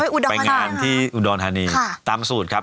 ไปอุดรธานีครับไปงานที่อุดรธานีค่ะตามสูตรครับ